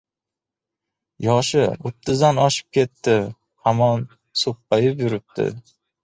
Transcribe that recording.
— Yoshi o‘ttizdan oshib ketdi, hamon so‘ppayib yuribdi.